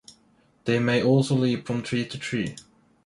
They may also leap from tree to tree.